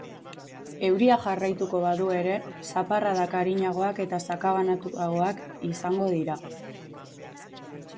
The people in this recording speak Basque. Euriak jarraituko badu ere, zaparradak arinagoak eta sakabanatuagoak izango dira.